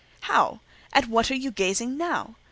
"How! At what are you gazing now?